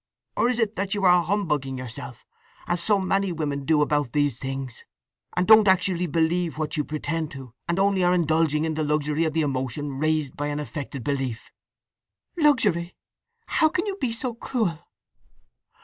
Or is it that you are humbugging yourself, as so many women do about these things; and don't actually believe what you pretend to, and only are indulging in the luxury of the emotion raised by an affected belief?" "Luxury! How can you be so cruel!"